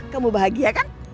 kamu bahagia kan